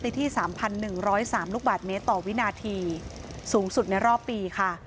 ที่๓๑๐๓ลูกบาทเมตรต่อวินาทีสูงสุดในรอบปีค่ะ